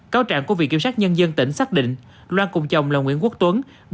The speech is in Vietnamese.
cáo trạng của viện kiểm sát nhân dân tỉnh xác định loan cùng chồng là nguyễn quốc tuấn